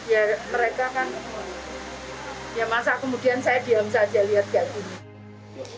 ya mereka kan ya masa kemudian saya diam saja lihat kayak gini